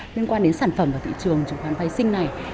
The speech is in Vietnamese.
liên quan đến sản phẩm và thị trường chứng khoán phái sinh này